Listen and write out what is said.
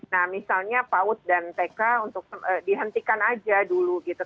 nah misalnya paud dan tk dihentikan aja dulu gitu